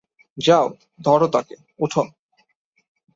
যাও, ধরো তাকে, উঠো!